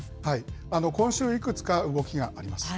今週いくつか動きがあります。